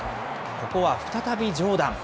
ここは再びジョーダン。